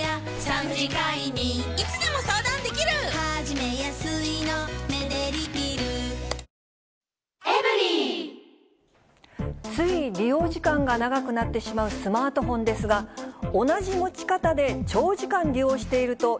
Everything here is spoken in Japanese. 地元の保護団体は、つい利用時間が長くなってしまうスマートフォンですが、同じ持ち方で長時間利用していると、